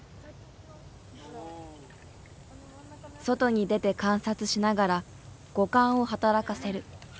外に出て観察しながら五感を働かせる。